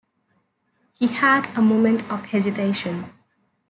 He had a moment of hesitation.